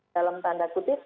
dalam tanda putih